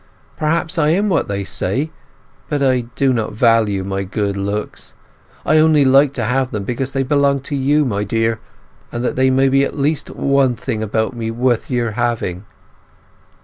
Perhaps I am what they say. But I do not value my good looks; I only like to have them because they belong to you, my dear, and that there may be at least one thing about me worth your having.